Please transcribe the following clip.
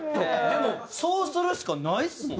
でもそうするしかないっすもんね？